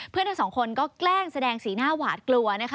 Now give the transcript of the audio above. เพื่อนทั้งสองคนก็แกล้งแสดงสีหน้าหวาดกลัว